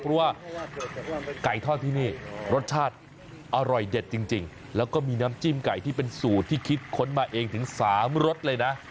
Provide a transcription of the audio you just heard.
เพราะว่าไก่ทอดที่นี่รสชาติอร่อยเด็ดจริงแล้วก็มีน้ำจิ้มไก่ที่เป็นสูตรที่คิดค้นมาเองถึง๓รสเลยนะ